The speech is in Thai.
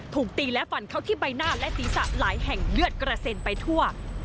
ถูกตีและฟันเข้าที่ใบหน้าและศีรษะหลายแห่งเลือดกระเซ็นไปทั่ว